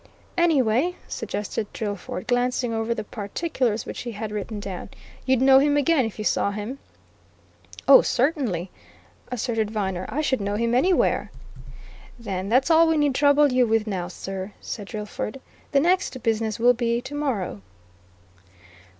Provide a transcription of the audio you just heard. "Anyway," suggested Drillford, glancing over the particulars which he had written down, "you'd know him again if you saw him?" "Oh, certainly!" asserted Viner. "I should know him anywhere." "Then that's all we need trouble you with now, sir," said Drillford. "The next business will be tomorrow."